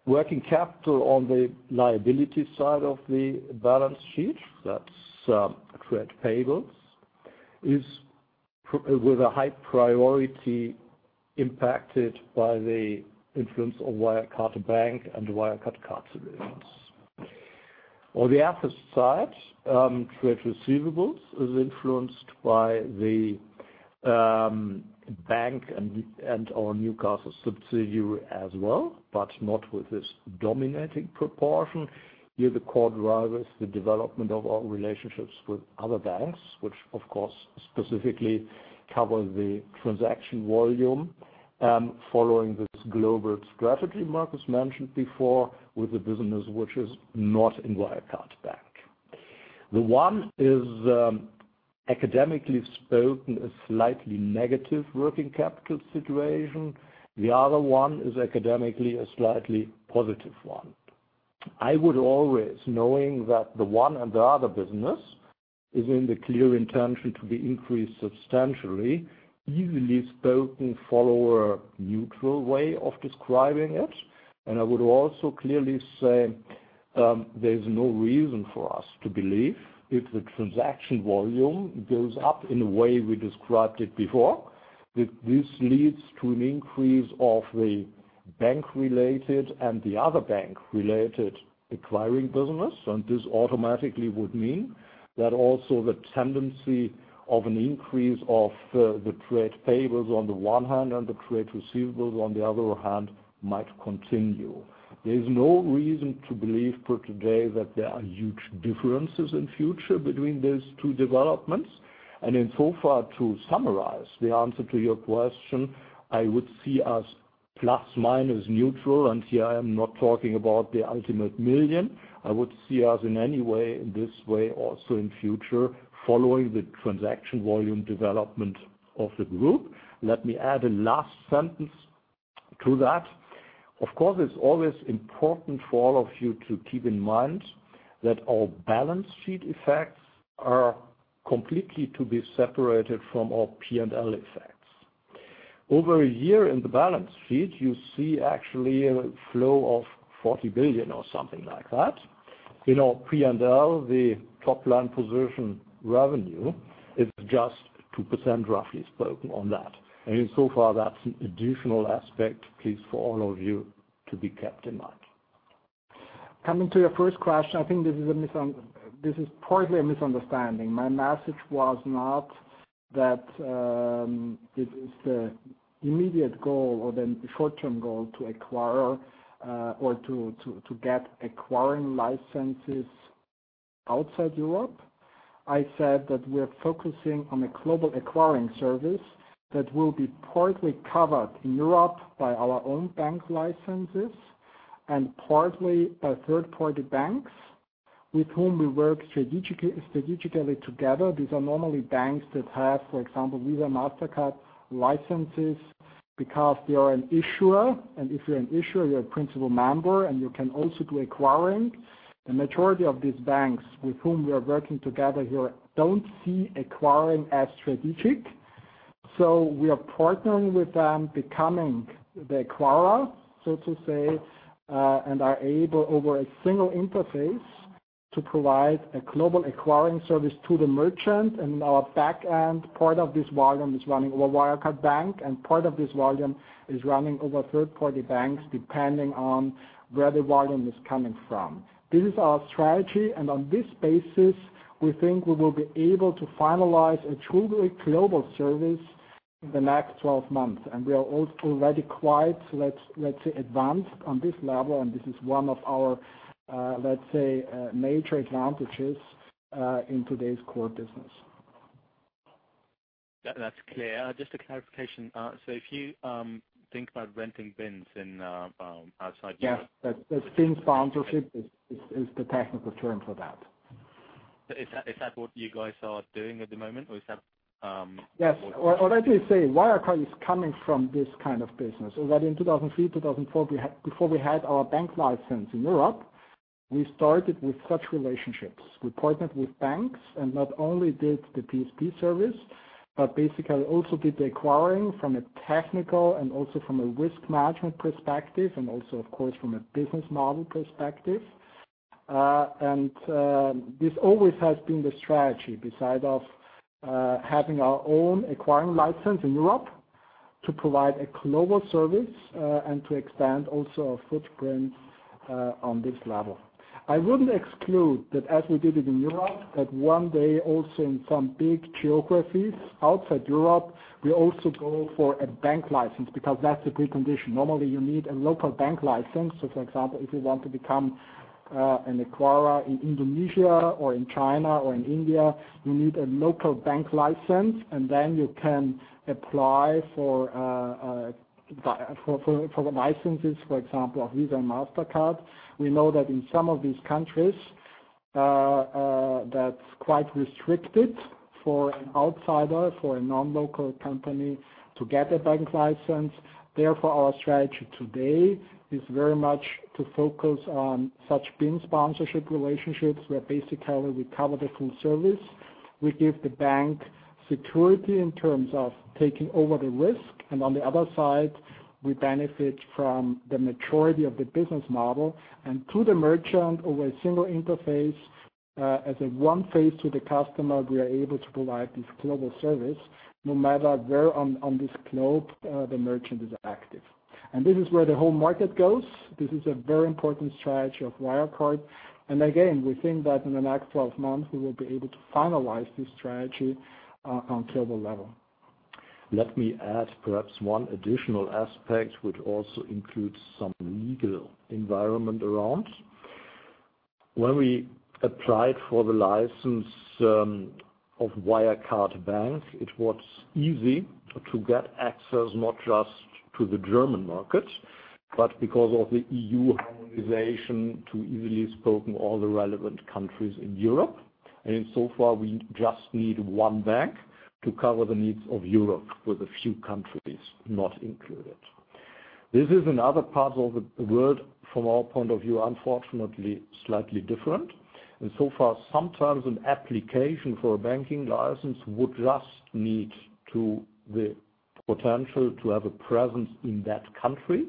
Working capital on the liability side of the balance sheet, that's trade payables, is with a high priority impacted by the influence of Wirecard Bank and Wirecard Card Solutions. On the asset side, trade receivables is influenced by the bank and our Newcastle subsidiary as well, but not with this dominating proportion. Here, the core driver is the development of our relationships with other banks, which of course specifically cover the transaction volume following this global strategy Markus mentioned before with a business which is not in Wirecard Bank. The one is academically spoken, a slightly negative working capital situation. The other one is academically a slightly positive one. I would always, knowing that the one and the other business is in the clear intention to be increased substantially, usually spoken, follow a neutral way of describing it. I would also clearly say there's no reason for us to believe if the transaction volume goes up in a way we described it before, that this leads to an increase of the bank related and the other bank related acquiring business. This automatically would mean that also the tendency of an increase of the trade payables on the one hand and the trade receivables on the other hand, might continue. There is no reason to believe per today that there are huge differences in future between these two developments. Insofar to summarize the answer to your question, I would see as plus minus neutral, and here I am not talking about the ultimate million. I would see us in any way, in this way, also in future, following the transaction volume development of the group. Let me add a last sentence to that. It's always important for all of you to keep in mind that our balance sheet effects are completely to be separated from our P&L effects. Over a year in the balance sheet, you see actually a flow of 40 billion or something like that. In our P&L, the top-line position revenue is just 2%, roughly spoken on that. Insofar, that's an additional aspect, please, for all of you to be kept in mind. Coming to your first question, I think this is partly a misunderstanding. My message was not that it is the immediate goal or the short-term goal to acquire or to get acquiring licenses outside Europe. I said that we're focusing on a global acquiring service that will be partly covered in Europe by our own bank licenses and partly by third-party banks with whom we work strategically together. These are normally banks that have, for example, Visa, Mastercard licenses, because they are an issuer. If you're an issuer, you're a principal member, and you can also do acquiring. The majority of these banks with whom we are working together here don't see acquiring as strategic. We are partnering with them, becoming the acquirer, so to say, and are able, over a single interface, to provide a global acquiring service to the merchant. Our back end, part of this volume is running over Wirecard Bank, and part of this volume is running over third-party banks, depending on where the volume is coming from. This is our strategy, and on this basis, we think we will be able to finalize a truly global service in the next 12 months. We are already quite, let's say, advanced on this level, and this is one of our, let's say, major advantages in today's core business. That's clear. Just a clarification. If you think about renting BINs outside Europe? Yes. The BIN sponsorship is the technical term for that. Is that what you guys are doing at the moment? Or is that- Yes. What I do is say Wirecard is coming from this kind of business. Already in 2003, 2004, before we had our bank license in Europe, we started with such relationships. We partnered with banks and not only did the PSP service, but basically also did the acquiring from a technical and also from a risk management perspective and also, of course, from a business model perspective. This always has been the strategy beside of having our own acquiring license in Europe to provide a global service and to expand also our footprint on this level. I wouldn't exclude that as we did it in Europe, that one day also in some big geographies outside Europe, we also go for a bank license because that's a precondition. Normally, you need a local bank license. For example, if you want to become an acquirer in Indonesia or in China or in India, you need a local bank license. Then you can apply for the licenses, for example, of Visa and Mastercard. We know that in some of these countries, that's quite restricted for an outsider, for a non-local company to get a bank license. Therefore, our strategy today is very much to focus on such BIN sponsorship relationships, where basically we cover the full service. We give the bank security in terms of taking over the risk, and on the other side, we benefit from the maturity of the business model and to the merchant over a single interface. As a one face to the customer, we are able to provide this global service no matter where on this globe the merchant is active. This is where the whole market goes. This is a very important strategy of Wirecard. Again, we think that in the next 12 months, we will be able to finalize this strategy on global level. Let me add perhaps one additional aspect, which also includes some legal environment around. When we applied for the license of Wirecard Bank, it was easy to get access not just to the German market, but because of the EU harmonization, to easily spoken all the relevant countries in Europe. In so far, we just need one bank to cover the needs of Europe with a few countries not included. This is another part of the world from our point of view, unfortunately, slightly different. So far, sometimes an application for a banking license would just need to the potential to have a presence in that country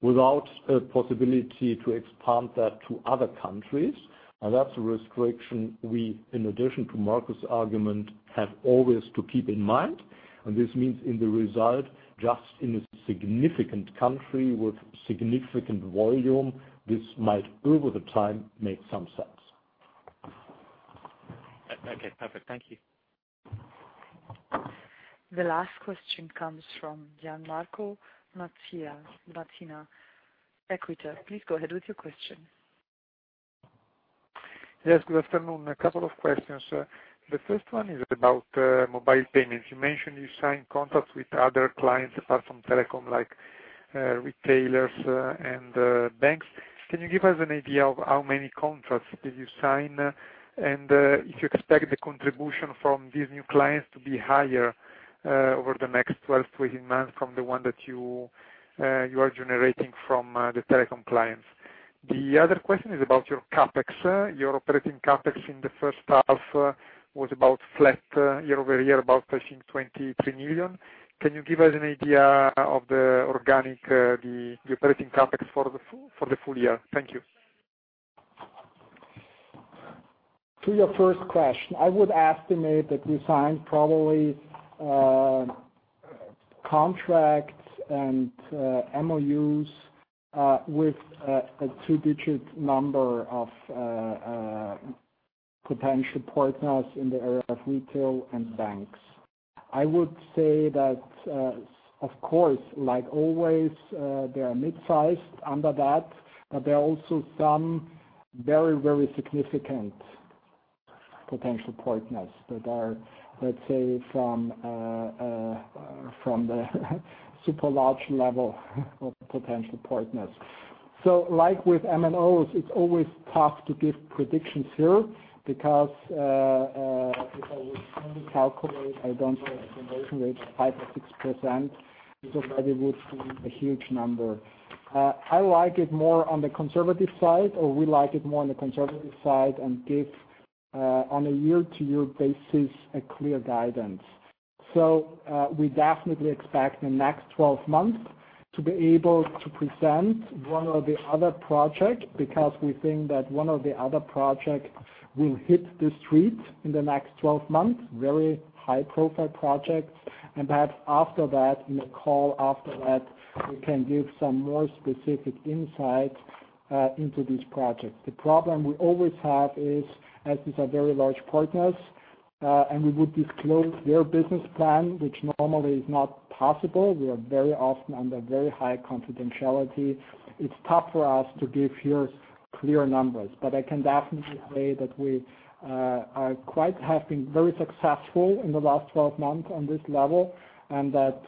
without a possibility to expand that to other countries. That's a restriction we, in addition to Markus' argument, have always to keep in mind. This means in the result, just in a significant country with significant volume, this might over the time make some sense. Okay, perfect. Thank you. The last question comes from Gianmarco Mazzoni, Equita SIM. Please go ahead with your question. Yes, good afternoon. A couple of questions. The first one is about mobile payments. You mentioned you signed contracts with other clients apart from telecom, like retailers and banks. Can you give us an idea of how many contracts did you sign? If you expect the contribution from these new clients to be higher over the next 12, 18 months from the one that you are generating from the telecom clients. The other question is about your CapEx. Your operating CapEx in the first half was about flat year-over-year, about 23 million. Can you give us an idea of the organic, the operating CapEx for the full year? Thank you. To your first question, I would estimate that we signed probably Contracts and MOUs with a two-digit number of potential partners in the area of retail and banks. I would say that, of course, like always, there are mid-sized under that, but there are also some very significant potential partners that are, let's say, from the super large level of potential partners. Like with MNOs, it is always tough to give predictions here because if I would only calculate, I don't know, a conversion rate of 5% or 6%, this already would be a huge number. I like it more on the conservative side, we like it more on the conservative side, and give on a year-to-year basis a clear guidance. We definitely expect the next 12 months to be able to present one or the other project because we think that one or the other project will hit the street in the next 12 months, very high-profile projects. Perhaps after that, in a call after that, we can give some more specific insight into these projects. The problem we always have is, as these are very large partners, we would disclose their business plan, which normally is not possible. We are very often under very high confidentiality. It is tough for us to give here clear numbers. I can definitely say that we have been very successful in the last 12 months on this level, that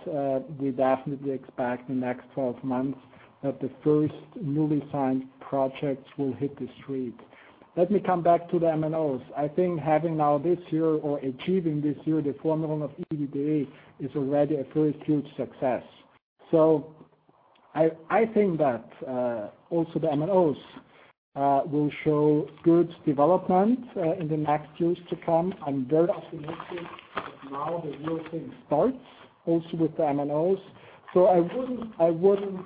we definitely expect the next 12 months that the first newly signed projects will hit the street. Let me come back to the MNOs. I think having now this year or achieving this year the four million of EBITDA is already a very huge success. I think that also the MNOs will show good development in the next years to come. I am very optimistic that now the real thing starts also with the MNOs. I wouldn't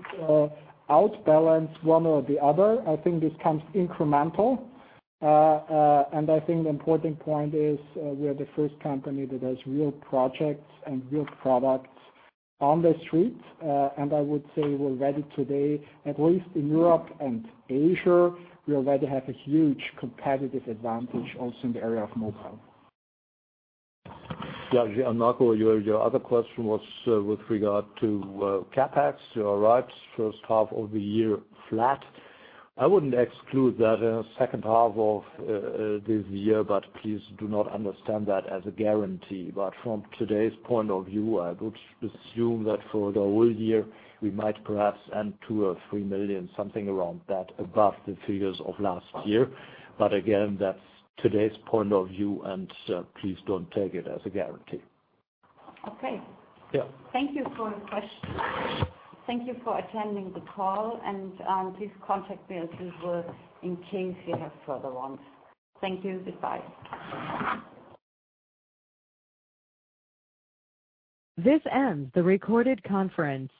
outbalance one or the other. I think this comes incremental. I think the important point is we are the first company that has real projects and real products on the street. I would say we already today, at least in Europe and Asia, we already have a huge competitive advantage also in the area of mobile. Yeah. Marco, your other question was with regard to CapEx. You are right, first half of the year flat. I wouldn't exclude that in the second half of this year, but please do not understand that as a guarantee. From today's point of view, I would assume that for the whole year, we might perhaps add two or three million EUR, something around that, above the figures of last year. Again, that's today's point of view, and please don't take it as a guarantee. Okay. Yeah. Thank you for the question. Thank you for attending the call. Please contact me as usual in case you have further ones. Thank you. Goodbye. This ends the recorded conference.